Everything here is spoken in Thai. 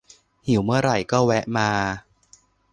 หิวเมื่อไหร่ก็แวะมา